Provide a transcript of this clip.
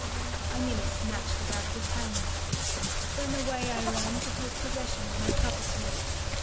I nearly snatched it out of his hands. Then away I ran to take possession of my property.